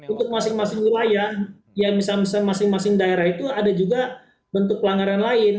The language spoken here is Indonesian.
untuk masing masing wilayah ya misalnya masing masing daerah itu ada juga bentuk pelanggaran lain